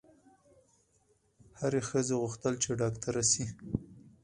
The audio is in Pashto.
هري ښځي غوښتل چي ډاکټره سي